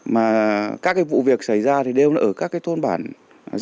mà các cái vụ việc xảy ra thì đều là ở các cái thôn bản rất xa thôi